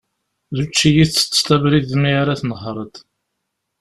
D učči i ttetteḍ abrid mi ara tnehhreḍ.